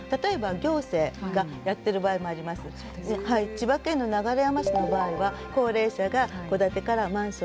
千葉県の流山市の場合は高齢者が戸建てからマンションに住み替えたい。